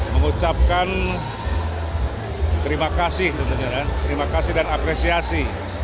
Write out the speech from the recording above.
mengucapkan terima kasih dan apresiasi